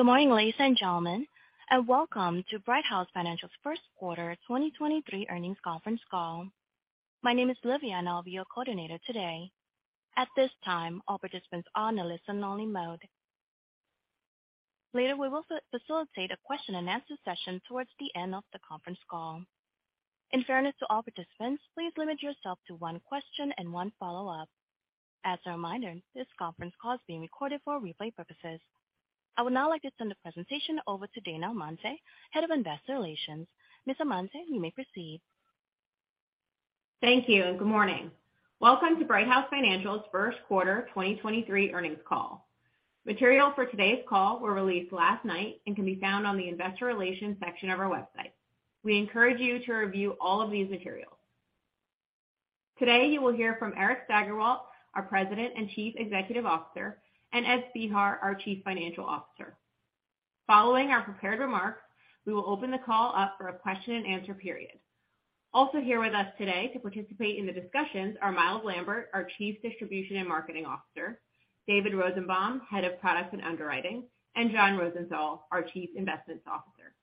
Good morning, ladies and gentlemen, and welcome to Brighthouse Financial's first quarter 2023 earnings conference call. My name is Olivia, and I'll be your coordinator today. At this time, all participants are in a listen-only mode. Later, we will facilitate a question-and-answer session towards the end of the conference call. In fairness to all participants, please limit yourself to one question and one follow-up. As a reminder, this conference call is being recorded for replay purposes. I would now like to turn the presentation over to Dana Amante, Head of Investor Relations. Ms. Amante, you may proceed. Thank you and good morning. Welcome to Brighthouse Financial's first quarter 2023 earnings call. Materials for today's call were released last night and can be found on the investor relations section of our website. We encourage you to review all of these materials. Today, you will hear from Eric Steigerwalt, our President and Chief Executive Officer, and Ed Spehar, our Chief Financial Officer. Following our prepared remarks, we will open the call up for a question-and-answer period. Also here with us today to participate in the discussions are Myles Lambert, our Chief Distribution and Marketing Officer, David Rosenbaum, Head of Products and Underwriting, and John Rosenthal, our Chief Investment Officer.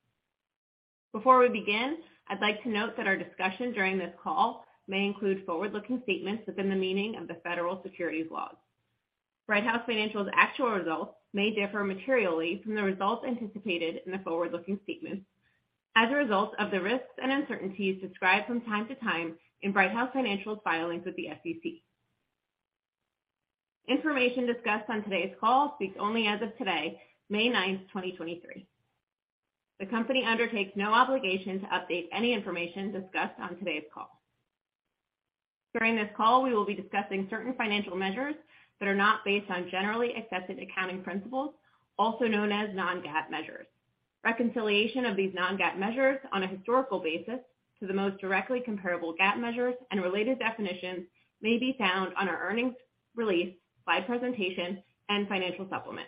Before we begin, I'd like to note that our discussion during this call may include forward-looking statements within the meaning of the federal securities laws. Brighthouse Financial's actual results may differ materially from the results anticipated in the forward-looking statements as a result of the risks and uncertainties described from time to time in Brighthouse Financial's filings with the SEC. Information discussed on today's call speaks only as of today, May 9th, 2023. The company undertakes no obligation to update any information discussed on today's call. During this call, we will be discussing certain financial measures that are not based on generally accepted accounting principles, also known as Non-GAAP measures. Reconciliation of these Non-GAAP measures on a historical basis to the most directly comparable GAAP measures and related definitions may be found on our earnings release, live presentation, and financial supplement.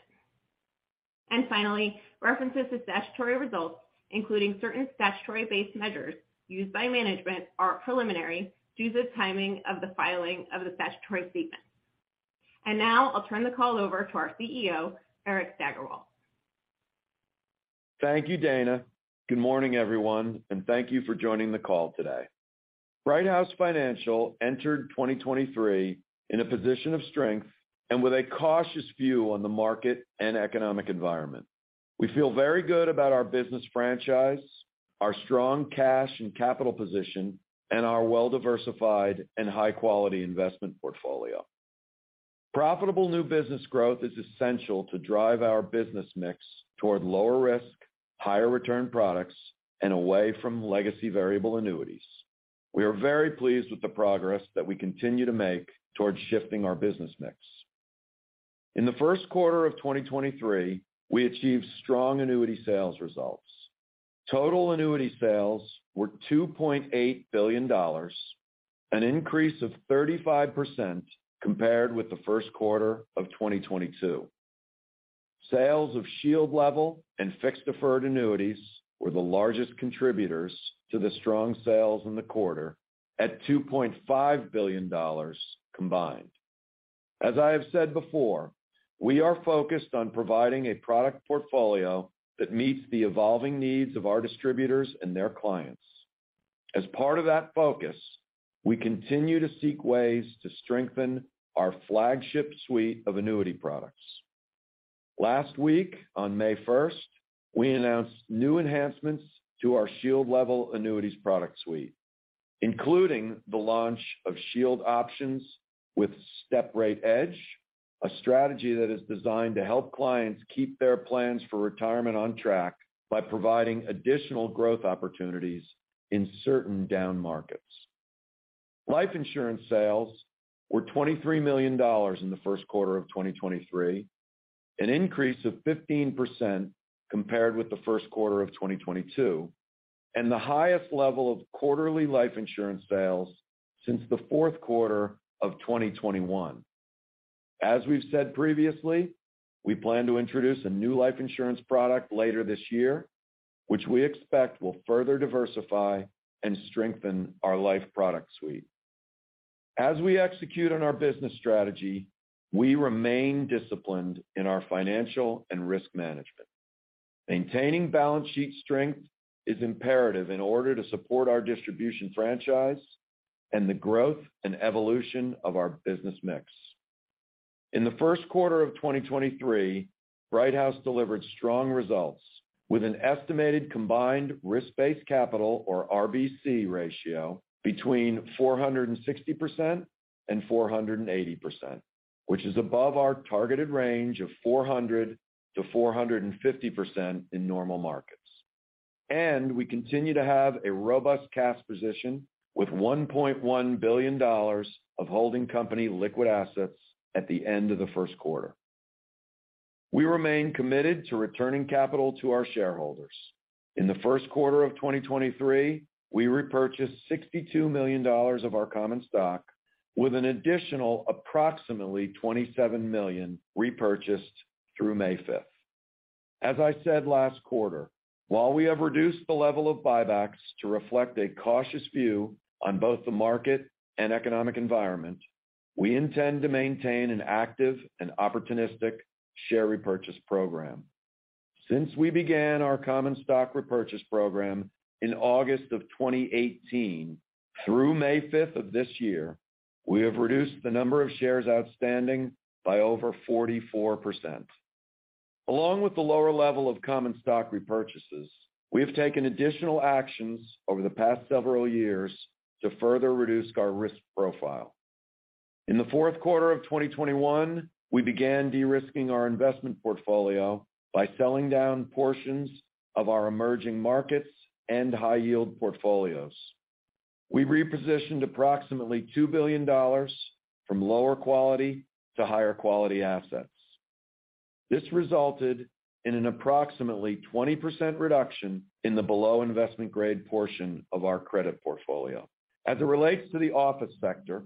Finally, references to statutory results, including certain statutory-based measures used by management, are preliminary due to the timing of the filing of the statutory statement. Now I'll turn the call over to our CEO, Eric Steigerwalt. Thank you, Dana. Good morning, everyone, thank you for joining the call today. Brighthouse Financial entered 2023 in a position of strength and with a cautious view on the market and economic environment. We feel very good about our business franchise, our strong cash and capital position, and our well-diversified and high-quality investment portfolio. Profitable new business growth is essential to drive our business mix toward lower risk, higher return products, and away from legacy variable annuities. We are very pleased with the progress that we continue to make towards shifting our business mix. In the first quarter of 2023, we achieved strong annuity sales results. Total annuity sales were $2.8 billion, an increase of 35% compared with the first quarter of 2022. Sales of Shield Level and fixed deferred annuities were the largest contributors to the strong sales in the quarter at $2.5 billion combined. As I have said before, we are focused on providing a product portfolio that meets the evolving needs of our distributors and their clients. As part of that focus, we continue to seek ways to strengthen our flagship suite of annuity products. Last week, on May 1st, we announced new enhancements to our Shield Level Annuities product suite, including the launch of Shield Options with Step Rate Edge, a strategy that is designed to help clients keep their plans for retirement on track by providing additional growth opportunities in certain down markets. Life insurance sales were $23 million in the first quarter of 2023, an increase of 15% compared with the first quarter of 2022, and the highest level of quarterly life insurance sales since the fourth quarter of 2021. As we've said previously, we plan to introduce a new life insurance product later this year, which we expect will further diversify and strengthen our life product suite. As we execute on our business strategy, we remain disciplined in our financial and risk management. Maintaining balance sheet strength is imperative in order to support our distribution franchise and the growth and evolution of our business mix. In the first quarter of 2023, Brighthouse delivered strong results with an estimated combined risk-based capital or RBC ratio between 460% and 480%, which is above our targeted range of 400%-450% in normal markets. We continue to have a robust cash position with $1.1 billion of holding company liquid assets at the end of the first quarter. We remain committed to returning capital to our shareholders. In the first quarter of 2023, we repurchased $62 million of our common stock, with an additional approximately $27 million repurchased through May 5th. As I said last quarter, while we have reduced the level of buybacks to reflect a cautious view on both the market and economic environment. We intend to maintain an active and opportunistic share repurchase program. Since we began our common stock repurchase program in August of 2018 through May 5th of this year, we have reduced the number of shares outstanding by over 44%. Along with the lower level of common stock repurchases, we have taken additional actions over the past several years to further reduce our risk profile. In the fourth quarter of 2021, we began de-risking our investment portfolio by selling down portions of our emerging markets and high yield portfolios. We repositioned approximately $2 billion from lower quality to higher quality assets. This resulted in an approximately 20% reduction in the below investment grade portion of our credit portfolio. As it relates to the office sector,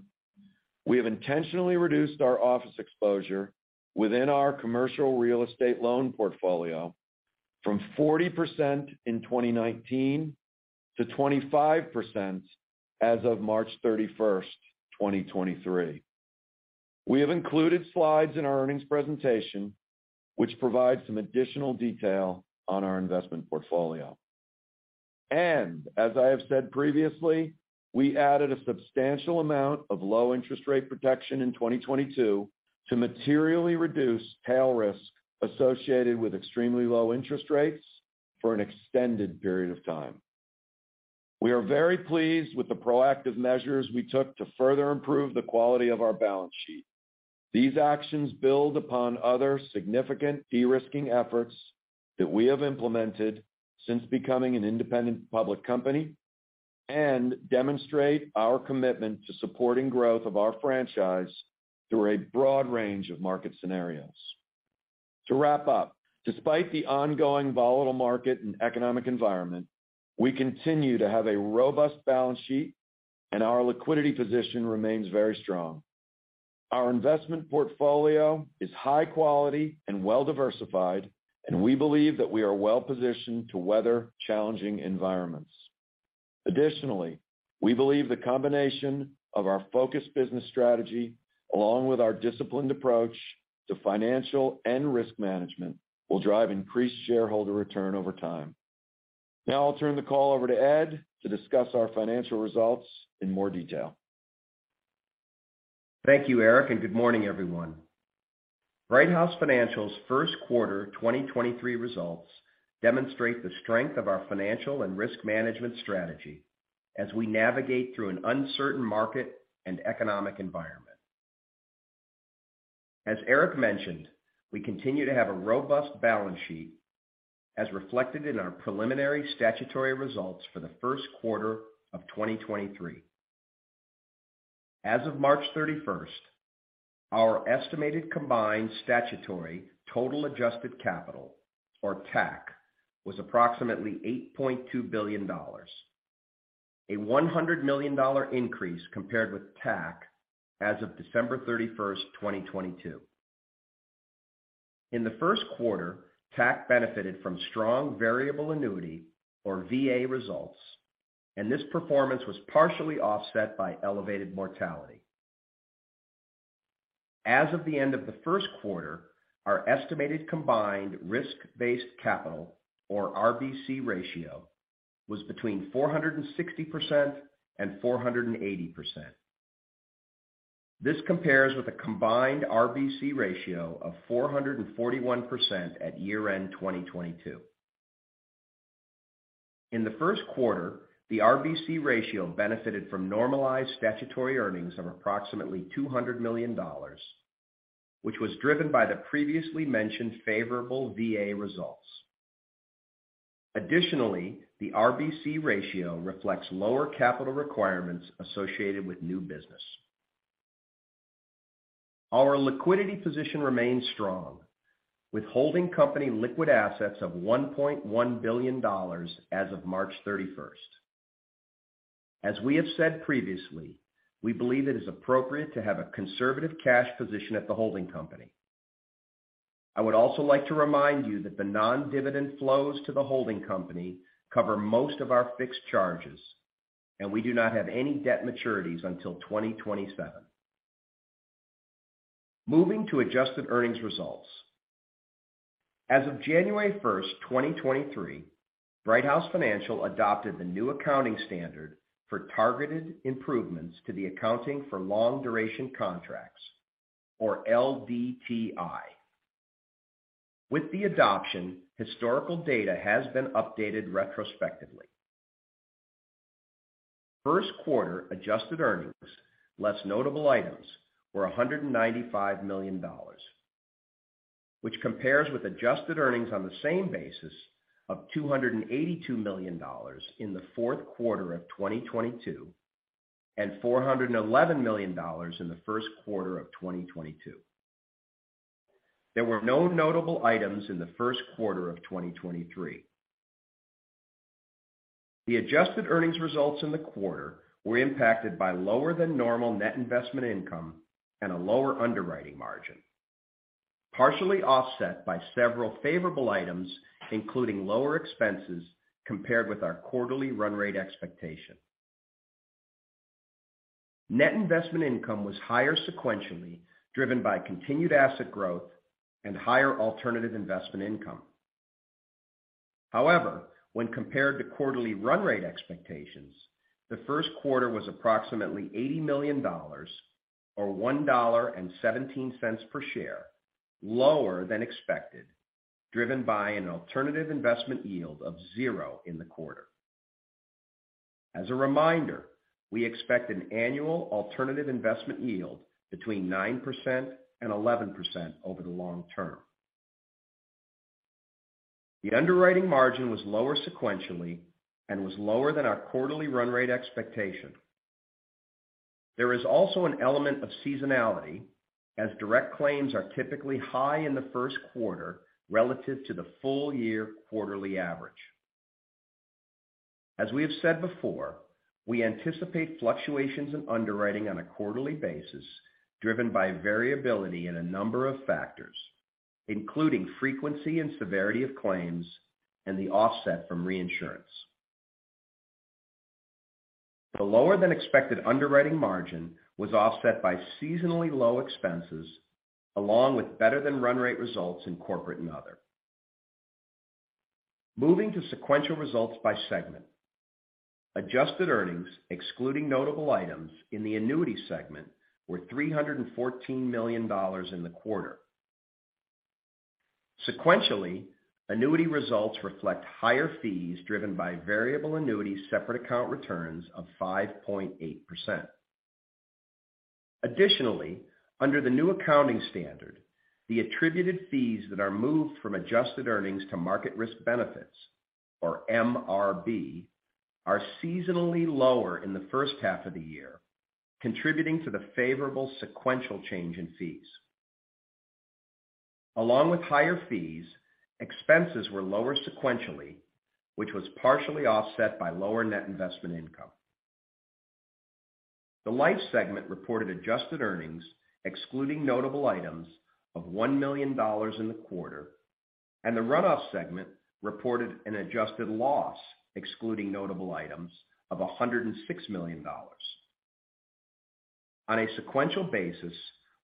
we have intentionally reduced our office exposure within our commercial real estate loan portfolio from 40% in 2019 to 25% as of March 31st, 2023. We have included slides in our earnings presentation which provide some additional detail on our investment portfolio. As I have said previously, we added a substantial amount of low interest rate protection in 2022 to materially reduce tail risk associated with extremely low interest rates for an extended period of time. We are very pleased with the proactive measures we took to further improve the quality of our balance sheet. These actions build upon other significant de-risking efforts that we have implemented since becoming an independent public company and demonstrate our commitment to supporting growth of our franchise through a broad range of market scenarios. To wrap up, despite the ongoing volatile market and economic environment, we continue to have a robust balance sheet, and our liquidity position remains very strong. Our investment portfolio is high quality and well diversified, and we believe that we are well positioned to weather challenging environments. Additionally, we believe the combination of our focused business strategy along with our disciplined approach to financial and risk management will drive increased shareholder return over time. Now I'll turn the call over to Ed to discuss our financial results in more detail. Thank you, Eric, and good morning, everyone. Brighthouse Financial's 1st quarter 2023 results demonstrate the strength of our financial and risk management strategy as we navigate through an uncertain market and economic environment. As Eric mentioned, we continue to have a robust balance sheet as reflected in our preliminary statutory results for the 1st quarter of 2023. As of March 31st, our estimated combined statutory total adjusted capital, or TAC, was approximately $8.2 billion, a $100 million increase compared with TAC as of December 31st, 2022. In the 1st quarter, TAC benefited from strong variable annuity or VA results, and this performance was partially offset by elevated mortality. As of the end of the 1st quarter, our estimated combined risk-based capital, or RBC ratio, was between 460% and 480%. This compares with a combined RBC ratio of 441% at year-end 2022. In the first quarter, the RBC ratio benefited from normalized statutory earnings of approximately $200 million, which was driven by the previously mentioned favorable VA results. Additionally, the RBC ratio reflects lower capital requirements associated with new business. Our liquidity position remains strong with holding company liquid assets of $1.1 billion as of March thirty-first. As we have said previously, we believe it is appropriate to have a conservative cash position at the holding company. I would also like to remind you that the non-dividend flows to the holding company cover most of our fixed charges, and we do not have any debt maturities until 2027. Moving to adjusted earnings results. As of January first, 2023, Brighthouse Financial adopted the new accounting standard for targeted improvements to the accounting for long duration contracts, or LDTI. With the adoption, historical data has been updated retrospectively. First quarter adjusted earnings, less notable items were $195 million, which compares with adjusted earnings on the same basis of $282 million in the fourth quarter of 2022 and $411 million in the first quarter of 2022. There were no notable items in the first quarter of 2023. The adjusted earnings results in the quarter were impacted by lower than normal net investment income and a lower underwriting margin. Partially offset by several favorable items, including lower expenses compared with our quarterly run rate expectation. Net investment income was higher sequentially, driven by continued asset growth and higher alternative investment income. When compared to quarterly run rate expectations, the first quarter was approximately $80 million, or $1.17 per share, lower than expected, driven by an alternative investment yield of 0 in the quarter. As a reminder, we expect an annual alternative investment yield between 9% and 11% over the long term. The underwriting margin was lower sequentially and was lower than our quarterly run rate expectation. There is also an element of seasonality as direct claims are typically high in the first quarter relative to the full year quarterly average. As we have said before, we anticipate fluctuations in underwriting on a quarterly basis, driven by variability in a number of factors, including frequency and severity of claims and the offset from reinsurance. The lower than expected underwriting margin was offset by seasonally low expenses along with better than run rate results in corporate and other. Moving to sequential results by segment. Adjusted earnings, excluding notable items in the annuity segment, were $314 million in the quarter. Sequentially, annuity results reflect higher fees driven by variable annuity separate account returns of 5.8%. Under the new accounting standard, the attributed fees that are moved from adjusted earnings to market risk benefits, or MRB, are seasonally lower in the first half of the year, contributing to the favorable sequential change in fees. Higher fees, expenses were lower sequentially, which was partially offset by lower net investment income. The life segment reported adjusted earnings, excluding notable items of $1 million in the quarter, and the run-off segment reported an adjusted loss, excluding notable items of $106 million. On a sequential basis,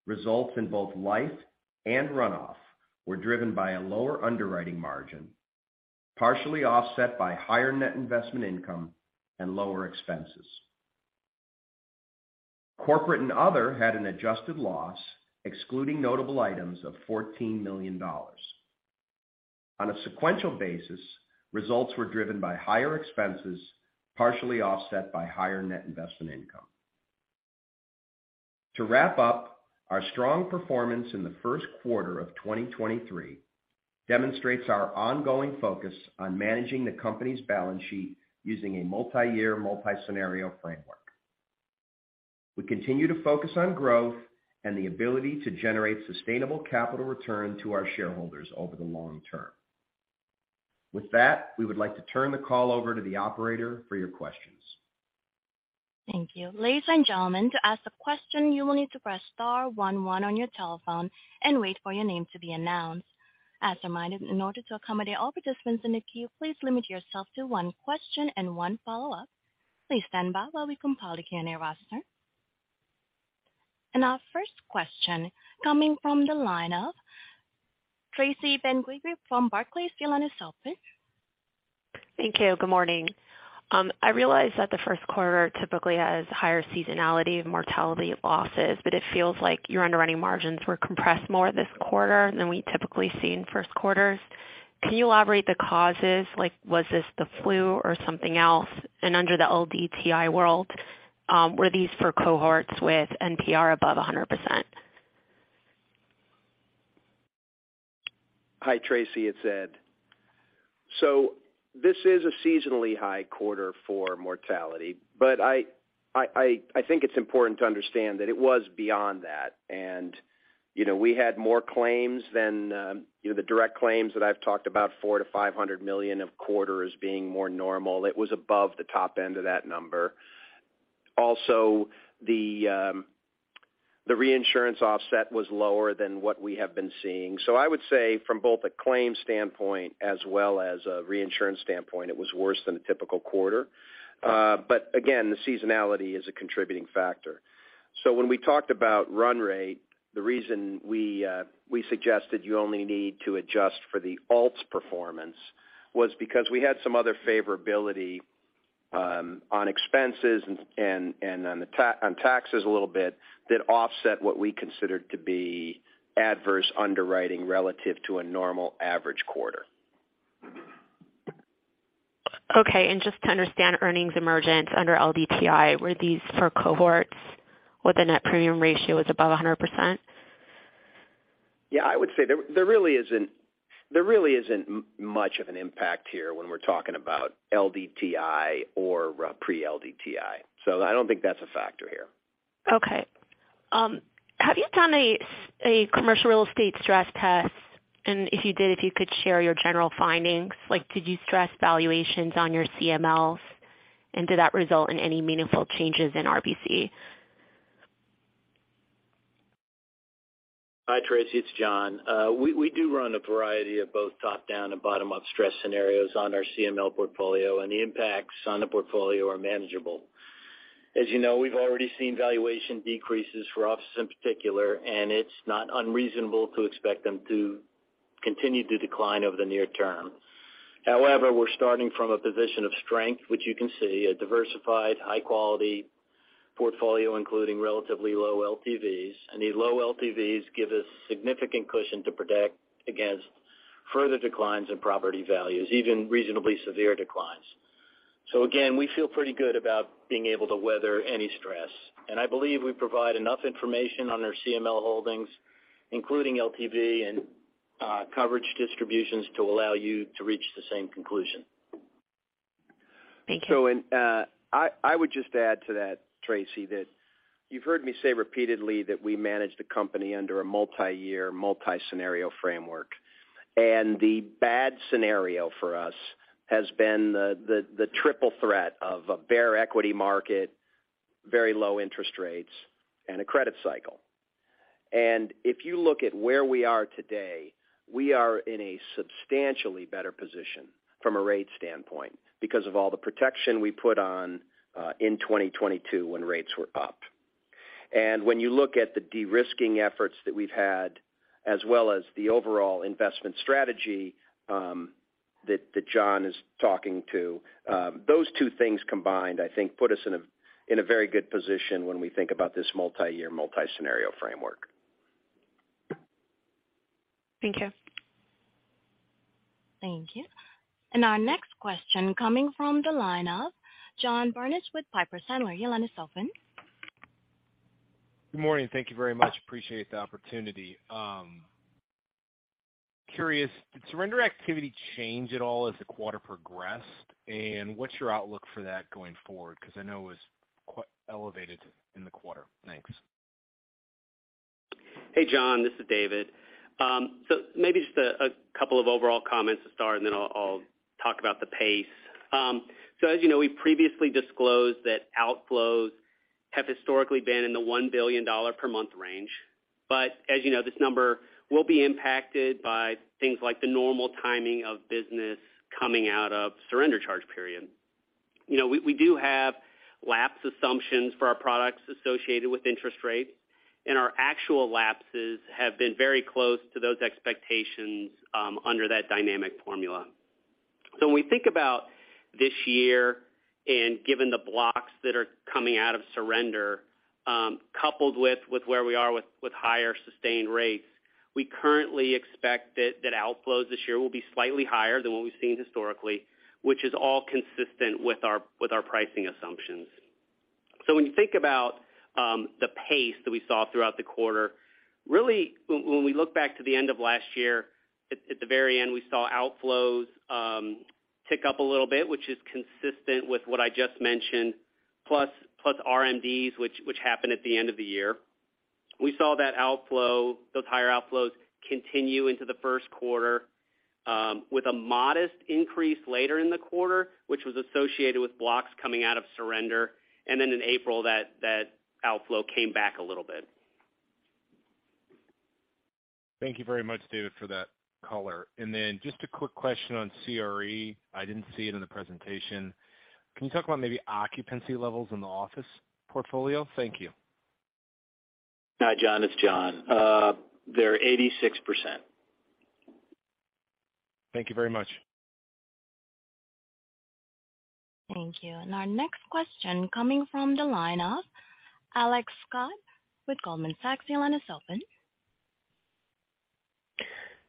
results in both life and run-off were driven by a lower underwriting margin, partially offset by higher net investment income and lower expenses. Corporate and other had an adjusted loss, excluding notable items of $14 million. On a sequential basis, results were driven by higher expenses, partially offset by higher net investment income. To wrap up, our strong performance in the first quarter of 2023 demonstrates our ongoing focus on managing the company's balance sheet using a multi-year, multi-scenario framework. We continue to focus on growth and the ability to generate sustainable capital return to our shareholders over the long term. With that, we would like to turn the call over to the operator for your questions. Thank you. Ladies and gentlemen, to ask a question, you will need to press star one one on your telephone and wait for your name to be announced. As a reminder, in order to accommodate all participants in the queue, please limit yourself to one question and one follow-up. Please stand by while we compile the Q&A roster. Our first question coming from the line of Tracy Benguigui from Barclays. You line is open. Thank you. Good morning. I realize that the first quarter typically has higher seasonality of mortality losses, but it feels like your underwriting margins were compressed more this quarter than we typically see in first quarters. Can you elaborate the causes? Like, was this the flu or something else? Under the LDTI world, were these for cohorts with NPR above 100%? Hi, Tracy Benguigui, it's Ed Spehar. This is a seasonally high quarter for mortality, but I think it's important to understand that it was beyond that. You know, we had more claims than, you know, the direct claims that I've talked about, $400 million-$500 million of quarters being more normal. It was above the top end of that number. Also, the reinsurance offset was lower than what we have been seeing. I would say from both a claim standpoint as well as a reinsurance standpoint, it was worse than a typical quarter. Again, the seasonality is a contributing factor. When we talked about run rate, the reason we suggested you only need to adjust for the alts performance was because we had some other favorability on expenses and on taxes a little bit, that offset what we considered to be adverse underwriting relative to a normal average quarter. Okay. Just to understand earnings emergence under LDTI, were these for cohorts where the net premium ratio is above 100%? Yeah, I would say there really isn't much of an impact here when we're talking about LDTI or pre-LDTI. I don't think that's a factor here. Okay. Have you done a commercial real estate stress test? If you did, if you could share your general findings, like did you stress valuations on your CMLs? Did that result in any meaningful changes in RBC? Hi, Tracy, it's John. We do run a variety of both top-down and bottom-up stress scenarios on our CML portfolio. The impacts on the portfolio are manageable. As you know, we've already seen valuation decreases for offices in particular, and it's not unreasonable to expect them to continue to decline over the near term. However, we're starting from a position of strength, which you can see a diversified high quality portfolio, including relatively low LTVs. These low LTVs give us significant cushion to protect against further declines in property values, even reasonably severe declines. Again, we feel pretty good about being able to weather any stress. I believe we provide enough information on our CML holdings, including LTV and coverage distributions to allow you to reach the same conclusion. Thank you. And, I would just add to that, Tracy, that you've heard me say repeatedly that we managed the company under a multi-year, multi-scenario framework. The bad scenario for us has been the triple threat of a bear equity market, very low interest rates, and a credit cycle. If you look at where we are today, we are in a substantially better position from a rate standpoint because of all the protection we put on in 2022 when rates were up. When you look at the de-risking efforts that we've had as well as the overall investment strategy that John is talking to, those two things combined, I think put us in a very good position when we think about this multi-year, multi-scenario framework. Thank you. Thank you. Our next question coming from the line of John Barnidge with Piper Sandler. Your line is open. Good morning. Thank you very much. Appreciate the opportunity. Curious, did surrender activity change at all as the quarter progressed, and what's your outlook for that going forward? I know it was quite elevated in the quarter. Thanks. Hey, John, this is David. Maybe just a couple of overall comments to start, and then I'll talk about the pace. As you know, we previously disclosed that outflows have historically been in the $1 billion per month range. As you know, this number will be impacted by things like the normal timing of business coming out of surrender charge period. You know, we do have lapse assumptions for our products associated with interest rates, and our actual lapses have been very close to those expectations under that dynamic formula. When we think about this year and given the blocks that are coming out of surrender, coupled with where we are with higher sustained rates, we currently expect that outflows this year will be slightly higher than what we've seen historically, which is all consistent with our pricing assumptions. When you think about the pace that we saw throughout the quarter, really when we look back to the end of last year, at the very end, we saw outflows tick up a little bit, which is consistent with what I just mentioned, plus RMDs, which happened at the end of the year. We saw those higher outflows continue into the first quarter, with a modest increase later in the quarter, which was associated with blocks coming out of surrender. Then in April, that outflow came back a little bit. Thank you very much, David, for that color. Just a quick question on CRE. I didn't see it in the presentation. Can you talk about maybe occupancy levels in the office portfolio? Thank you. Hi, John. It's John. They're 86%. Thank you very much. Thank you. Our next question coming from the line of Alex Scott with Goldman Sachs. Your line is open.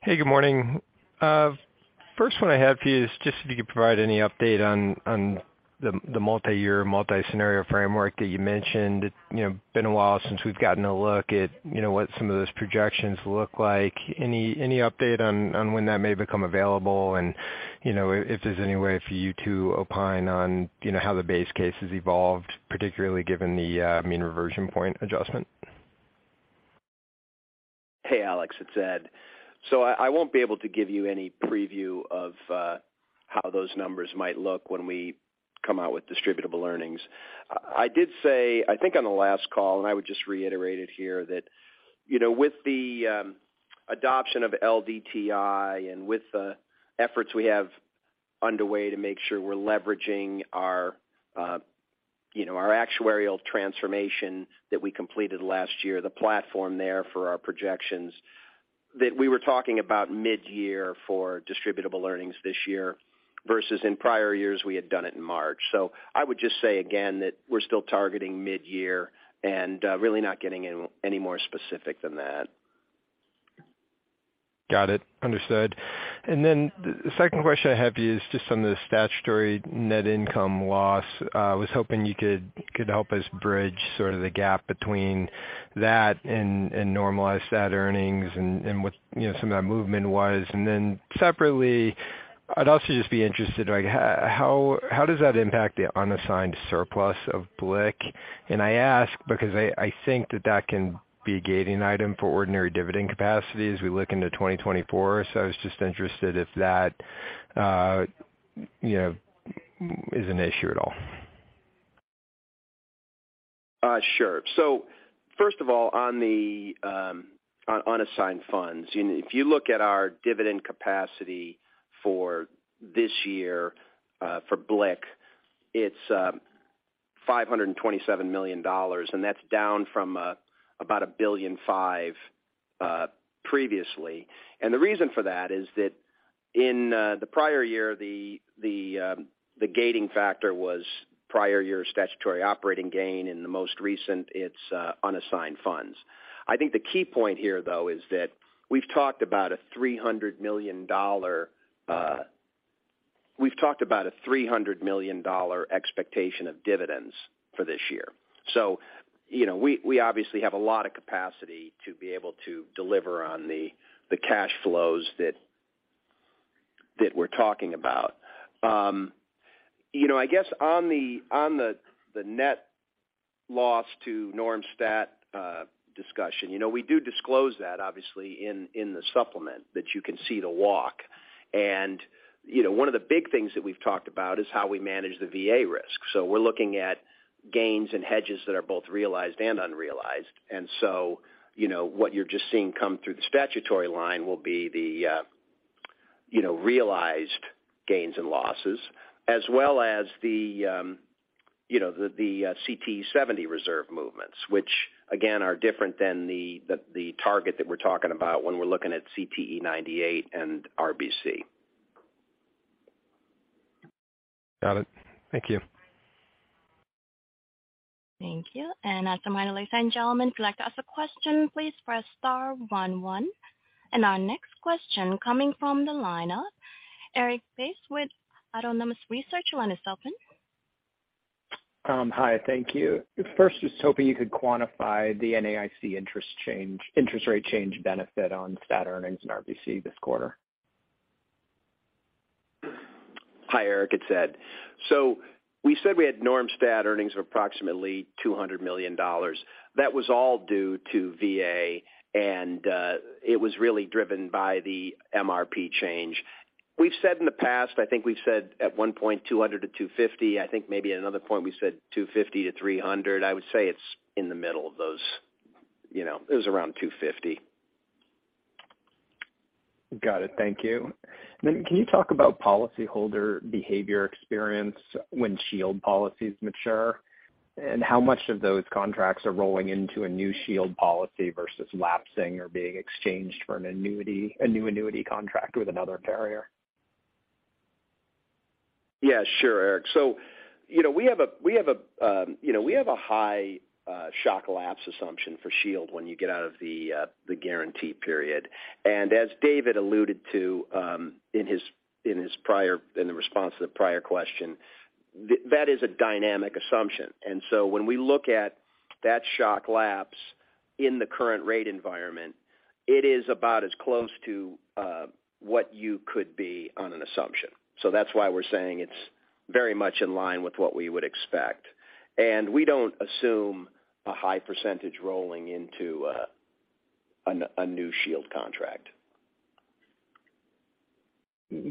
Hey, good morning. First one I have for you is just if you could provide any update on the multi-year, multi-scenario framework that you mentioned. You know, been a while since we've gotten a look at, you know, what some of those projections look like. Any update on when that may become available? You know, if there's any way for you to opine on, you know, how the base case has evolved, particularly given the Mean Reversion Point adjustment. Hey, Alex, it's Ed. I won't be able to give you any preview of how those numbers might look when we come out with distributable earnings. I did say, I think on the last call, and I would just reiterate it here, that, you know, with the adoption of LDTI and with the efforts we have underway to make sure we're leveraging our, you know, our actuarial transformation that we completed last year, the platform there for our projections, that we were talking about mid-year for distributable earnings this year versus in prior years we had done it in March. I would just say again that we're still targeting mid-year and really not getting any more specific than that. Got it. Understood. The second question I have for you is just on the statutory net income loss. I was hoping you could help us bridge sort of the gap between that and normalized Stat earnings and what, you know, some of that movement was. Separately, I'd also just be interested, like how does that impact the unassigned surplus of BLIC? I ask because I think that can be a gating item for ordinary dividend capacity as we look into 2024. I was just interested if that, you know, is an issue at all. Sure. First of all, on assigned funds, you know, if you look at our dividend capacity for this year, for BLIC, it's $527 million, and that's down from about $1.5 billion previously. The reason for that is that in the prior year, the gating factor was prior year statutory operating gain, in the most recent, it's unassigned funds. I think the key point here, though, is that we've talked about a $300 million expectation of dividends for this year. You know, we obviously have a lot of capacity to be able to deliver on the cash flows that we're talking about. You know, I guess on the net loss to Norm Stat discussion. You know, we do disclose that obviously in the supplement that you can see the walk. You know, one of the big things that we've talked about is how we manage the VA risk. So we're looking at gains and hedges that are both realized and unrealized. You know, what you're just seeing come through the statutory line will be the realized gains and losses as well as the CTE 70 reserve movements, which again, are different than the target that we're talking about when we're looking at CTE 98 and RBC. Got it. Thank you. Thank you. As a reminder, ladies and gentlemen, if you'd like to ask a question, please press star one one. Our next question coming from the line of Erik Bass with Autonomous Research. Your line is open. Hi, thank you. First, just hoping you could quantify the NAIC interest change, interest rate change benefit on stat earnings in RBC this quarter? Hi, Eric, it's Ed. We said we had Norm Stat earnings of approximately $200 million. That was all due to VA, and it was really driven by the MRP change. We've said in the past, I think we've said at one point $200 million-$250 million. I think maybe at another point we said $250 milllion-$300 million. I would say it's in the middle of those. You know, it was around $250 million. Got it. Thank you. Can you talk about policy holder behavior experience when Shield policies mature, and how much of those contracts are rolling into a new Shield policy versus lapsing or being exchanged for an annuity, a new annuity contract with another carrier? Sure, Eric. You know, we have a high, shock lapse assumption for Shield when you get out of the guarantee period. As David alluded to, in his prior, in the response to the prior question, that is a dynamic assumption. When we look at that shock lapse in the current rate environment, it is about as close to, what you could be on an assumption. That's why we're saying it's very much in line with what we would expect. We don't assume a high percentage rolling into, a new Shield contract.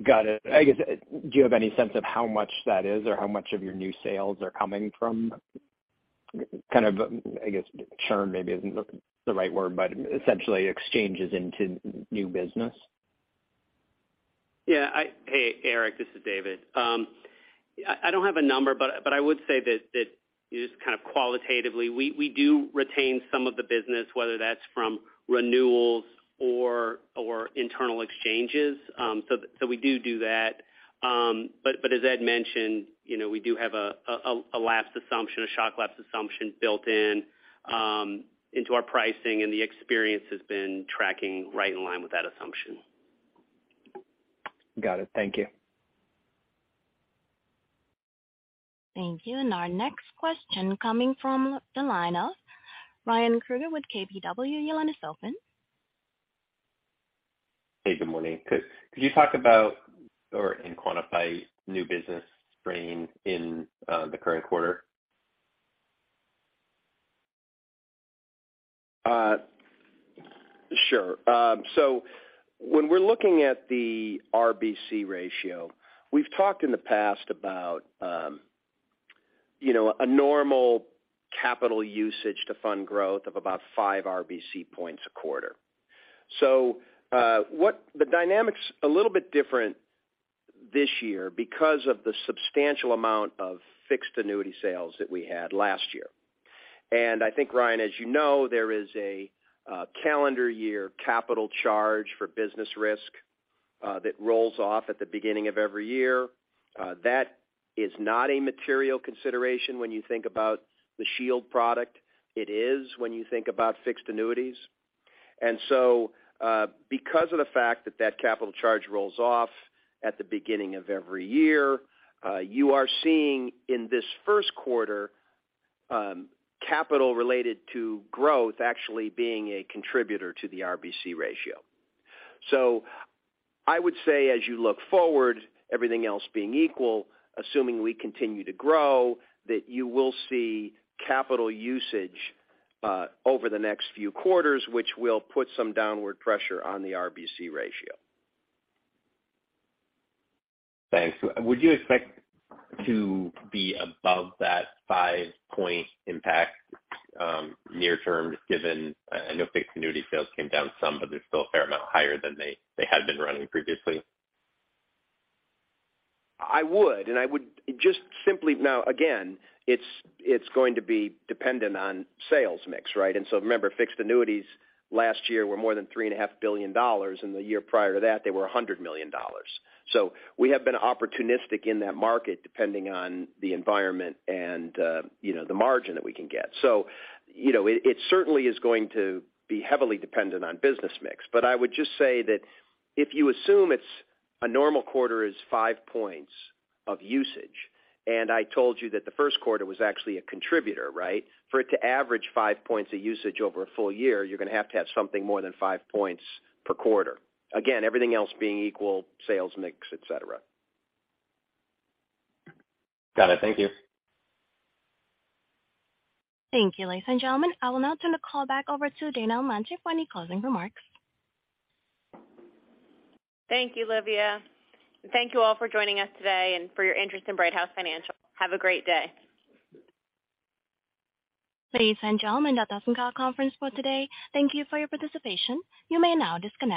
Got it. I guess, do you have any sense of how much that is or how much of your new sales are coming from kind of, I guess, churn maybe isn't the right word, but essentially exchanges into new business? Hey, Eric, this is David. I don't have a number, but I would say that just kind of qualitatively, we do retain some of the business, whether that's from renewals or internal exchanges. So we do that. But as Ed mentioned, you know, we do have a lapse assumption, a shock lapse assumption built in, into our pricing, and the experience has been tracking right in line with that assumption. Got it. Thank you. Thank you. Our next question coming from the line of Ryan Krueger with KBW. Your line is open. Hey, good morning. Could you talk about or, and quantify new business strain in the current quarter? Sure. So when we're looking at the RBC ratio, we've talked in the past about, you know, a normal capital usage to fund growth of about 5 RBC points a quarter. The dynamic's a little bit different this year because of the substantial amount of fixed annuity sales that we had last year. I think, Ryan, as you know, there is a calendar year capital charge for business risk, that rolls off at the beginning of every year. That is not a material consideration when you think about the Shield product. It is when you think about fixed annuities. Because of the fact that that capital charge rolls off at the beginning of every year, you are seeing in this first quarter, capital related to growth actually being a contributor to the RBC ratio. I would say as you look forward, everything else being equal, assuming we continue to grow, that you will see capital usage, over the next few quarters, which will put some downward pressure on the RBC ratio. Thanks. Would you expect to be above that 5-point impact, near term, given I know fixed annuity sales came down some, but they're still a fair amount higher than they had been running previously? I would just simply... Now again, it's going to be dependent on sales mix, right? Remember, fixed annuities last year were more than $3.5 billion, and the year prior to that, they were $100 million. We have been opportunistic in that market, depending on the environment and, you know, the margin that we can get. You know, it certainly is going to be heavily dependent on business mix, but I would just say that if you assume it's a normal quarter is five points of usage, and I told you that the first quarter was actually a contributor, right? For it to average five points of usage over a full year, you're gonna have to have something more than five points per quarter. Again, everything else being equal, sales mix, et cetera. Got it. Thank you. Thank you, ladies and gentlemen. I will now turn the call back over to Dana Amante for any closing remarks. Thank you, Olivia. Thank you all for joining us today and for your interest in Brighthouse Financial. Have a great day. Ladies and gentlemen, that does end our conference for today. Thank you for your participation. You may now disconnect.